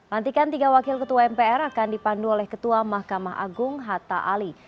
lantikan tiga wakil ketua mpr akan dipandu oleh ketua mahkamah agung hatta ali